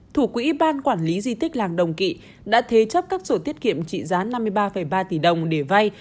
thủ quỹ ban quản lý di tích làng đồng kỵ đã thế chấp các sổ tiết kiệm trị giá năm mươi ba ba tỷ đồng để vay